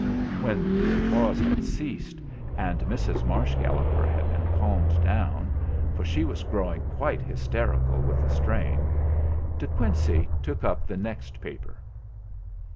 When the applause had ceased, and Mrs. Marsh Galloper had been calmed down, for THE EXAMINATION 243 she was growing quite hysterical with the strain, De Quincey took up the next paper.